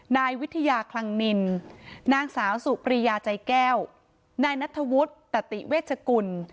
นายวิทยาคลังนินนางสาวสุปรียาใจแก้วนายนัทธวุฒิตติเวชกุล